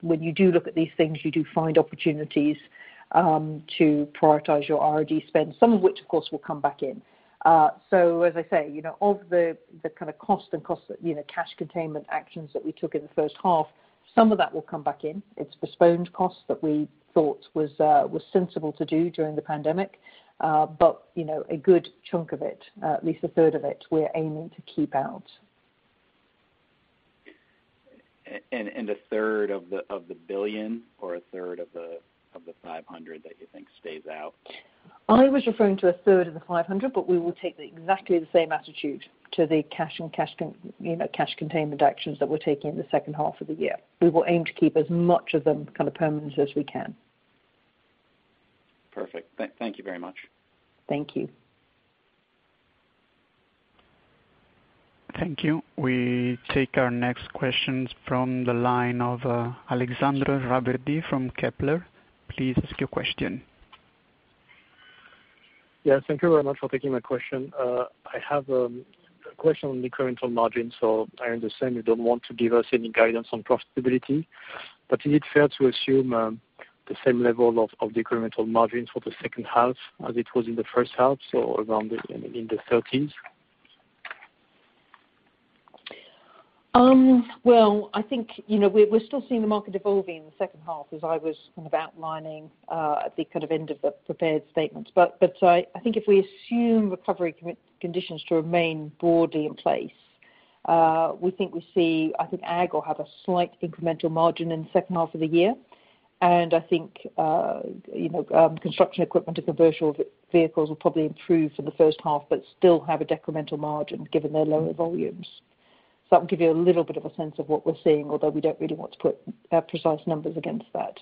When you do look at these things, you do find opportunities to prioritize your R&D spend, some of which, of course, will come back in. As I say, of the cost and cash containment actions that we took in the first half, some of that will come back in. It's postponed costs that we thought was sensible to do during the pandemic. A good chunk of it, at least a 1/3 of it, we're aiming to keep out. A 1/3 of the $1 billion or a 1/3 of the $500 that you think stays out? I was referring to a 1/3 of the $500, but we will take exactly the same attitude to the cash and cash containment actions that we're taking in the second half of the year. We will aim to keep as much of them permanent as we can. Perfect. Thank you very much. Thank you. Thank you. We take our next questions from the line of Alexandre Raverdy from Kepler. Please ask your question. Yes, thank you very much for taking my question. I have a question on the incremental margin. I understand you don't want to give us any guidance on profitability, but is it fair to assume the same level of decremental margins for the second half as it was in the first half, so around in the 30s? Well, I think, we're still seeing the market evolving in the second half as I was kind of outlining at the end of the prepared statements. I think if we assume recovery conditions to remain broadly in place, I think Ag will have a slight incremental margin in the second half of the year. I think, Construction equipment and Commercial Vehicles will probably improve from the first half, but still have a decremental margin given their lower volumes. That will give you a little bit of a sense of what we're seeing, although we don't really want to put precise numbers against that.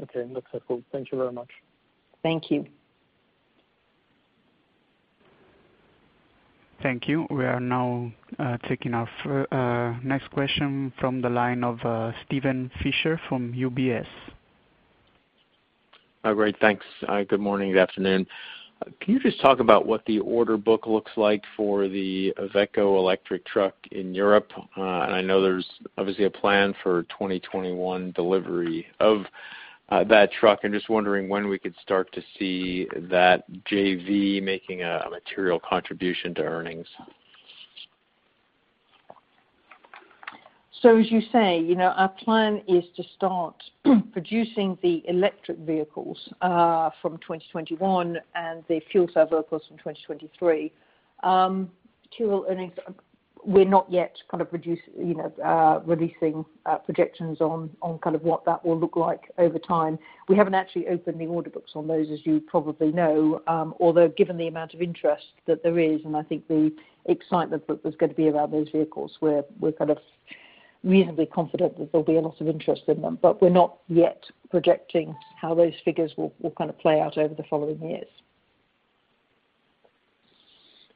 Okay. That's helpful. Thank you very much. Thank you. Thank you. We are now taking our next question from the line of Steven Fisher from UBS. Great. Thanks. Good morning. Good afternoon. Can you just talk about what the order book looks like for the Iveco electric truck in Europe? I know there's obviously a plan for 2021 delivery of that truck. I'm just wondering when we could start to see that JV making a material contribution to earnings. As you say, our plan is to start producing the electric vehicles from 2021 and the fuel cell vehicles from 2023. Material earnings, we're not yet releasing projections on what that will look like over time. We haven't actually opened the order books on those, as you probably know. Given the amount of interest that there is, and I think the excitement that there's going to be around those vehicles, we're reasonably confident that there'll be a lot of interest in them. We're not yet projecting how those figures will play out over the following years.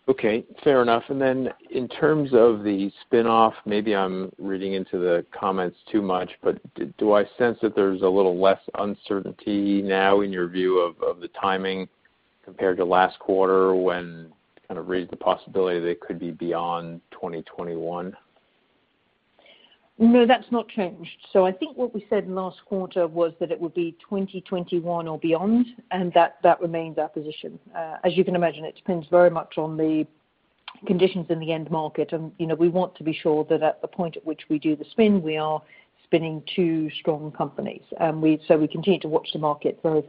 Okay, fair enough. In terms of the spinoff, maybe I'm reading into the comments too much, but do I sense that there's a little less uncertainty now in your view of the timing compared to last quarter when you kind of raised the possibility that it could be beyond 2021? No, that's not changed. I think what we said last quarter was that it would be 2021 or beyond, and that remains our position. As you can imagine, it depends very much on the conditions in the end market, and we want to be sure that at the point at which we do the spin, we are spinning two strong companies. We continue to watch the market very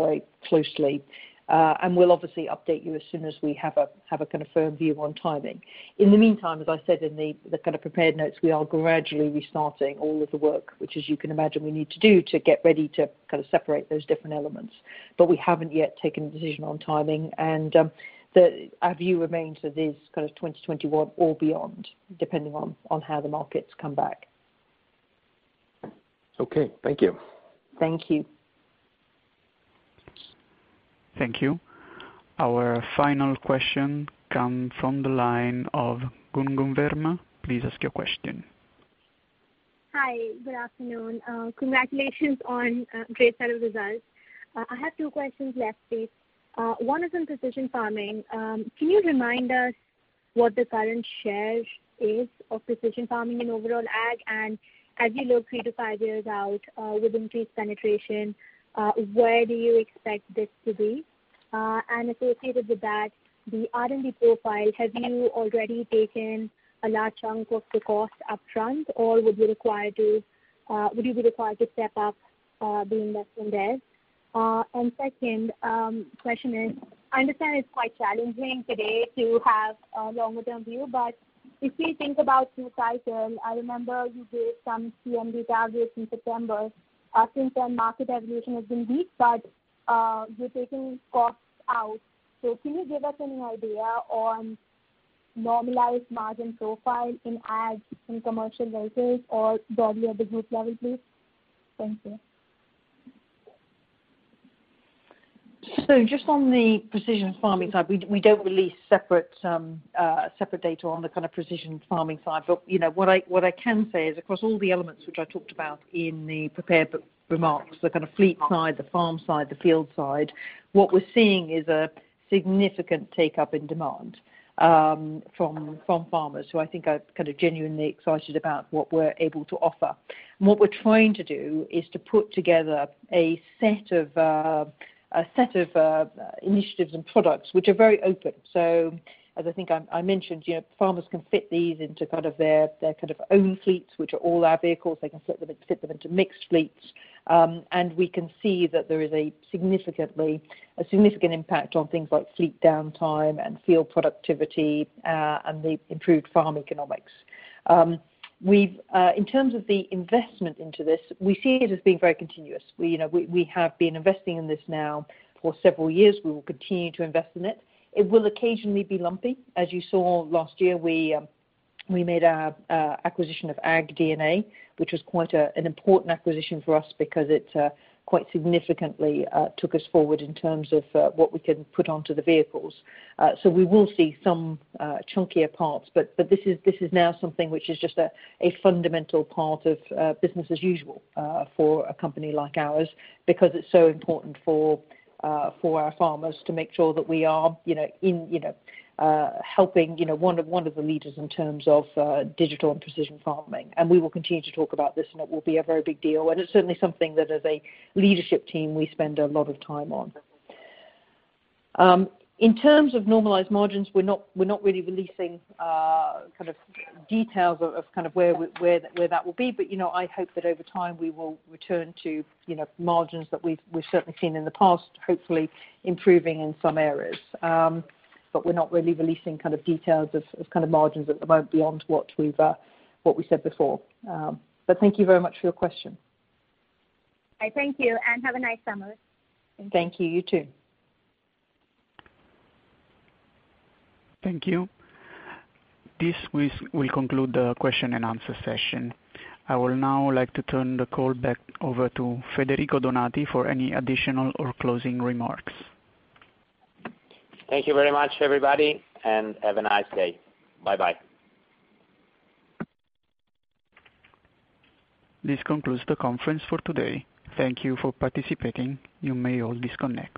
closely. We'll obviously update you as soon as we have a kind of firm view on timing. In the meantime, as I said in the prepared notes, we are gradually restarting all of the work, which, as you can imagine, we need to do to get ready to separate those different elements. We haven't yet taken a decision on timing, and our view remains that it is 2021 or beyond, depending on how the markets come back. Okay. Thank you. Thank you. Thank you. Our final question come from the line of Gungun Verma. Please ask your question. Hi. Good afternoon. Congratulations on great set of results. I have two questions left, please. One is on precision farming. Can you remind us what the current share is of precision farming and overall Ag, and as you look three to five years out, with increased penetration, where do you expect this to be? Associated with that, the R&D profile, have you already taken a large chunk of the cost up front, or would you be required to step up the investment there? My second question is, I understand it's quite challenging today to have a longer term view, but if you think about through cycle, I remember you gave some CMD targets in September. Since then, market evolution has been weak, but you're taking costs out. Can you give us any idea on normalized margin profile in Ag, in Commercial Vehicles or broadly at business level, please? Thank you. Just on the precision farming side, we don't release separate data on the kind of precision farming side. What I can say is across all the elements which I talked about in the prepared remarks, the kind of fleet side, the farm side, the field side, what we're seeing is a significant take-up in demand from farmers who I think are kind of genuinely excited about what we're able to offer. What we're trying to do is to put together a set of initiatives and products which are very open. As I think I mentioned, farmers can fit these into their own fleets, which are all our vehicles. They can fit them into mixed fleets. We can see that there is a significant impact on things like fleet downtime and field productivity, and the improved farm economics. In terms of the investment into this, we see it as being very continuous. We have been investing in this now for several years. We will continue to invest in it. It will occasionally be lumpy. As you saw last year, we made our acquisition of AgDNA, which was quite an important acquisition for us because it quite significantly took us forward in terms of what we can put onto the vehicles. We will see some chunkier parts, but this is now something which is just a fundamental part of business as usual for a company like ours because it's so important for our farmers to make sure that we are helping one of the leaders in terms of digital and precision farming. We will continue to talk about this, and it will be a very big deal. It's certainly something that as a leadership team, we spend a lot of time on. In terms of normalized margins, we're not really releasing details of where that will be. I hope that over time we will return to margins that we've certainly seen in the past, hopefully improving in some areas. We're not really releasing details of margins at the moment beyond what we said before. Thank you very much for your question. Thank you, and have a nice summer. Thank you. You too. Thank you. This will conclude the question and answer session. I would now like to turn the call back over to Federico Donati for any additional or closing remark. Thank you very much, everybody, and have a nice day. Bye-bye. This concludes the conference for today. Thank you for participating. You may all disconnect.